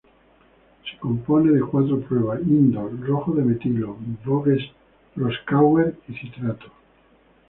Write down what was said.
Se compone de cuatro pruebas: Indol, Rojo de metilo, Voges-Proskauer y Citrato.